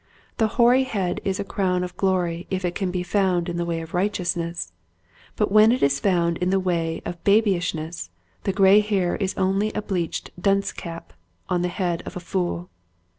The hoary head is a crown of glory if it be found in the way of righteousness, but when it is found in the way of baby ishness the gray hair is only a bleached dunce cap on the head of a fool.